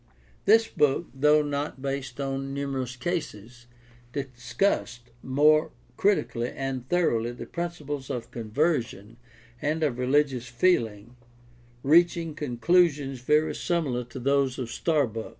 This book, though not based on numerous cases, discussed more critically and thor oughly the principles of conversion and of religious feeling, reaching conclusions very similar to those of Starbuck.